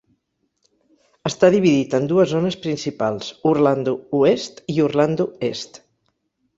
Està dividit en dues zones principals: Orlando oest i Orlando est.